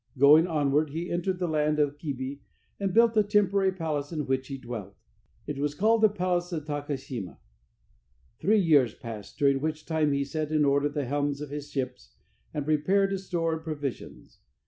Going onward, he entered the land of Kibi, and built a temporary palace in which he dwelt. It was called the palace of Takashima. Three years passed, during which time he set in order the helms of his ships, and prepared a store of provisions.